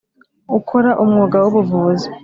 Ukora umwuga w ubuvuzi